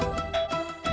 nih aku tidur